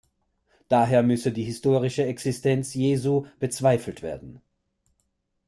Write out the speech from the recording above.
Daher müsse die historische Existenz Jesu bezweifelt werden.